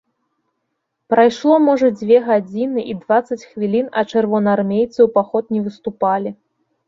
Прайшло, можа, дзве гадзіны і дваццаць хвілін, а чырвонаармейцы ў паход не выступалі.